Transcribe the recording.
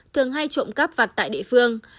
thường hay trộm cắp vặt tại địa phương